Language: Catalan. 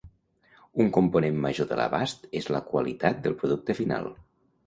Un component major de l'abast és la qualitat del producte final.